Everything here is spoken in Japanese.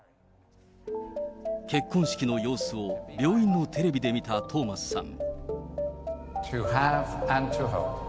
結婚式の様子を病院のテレビで見たトーマスさん。